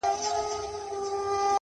وغورځول.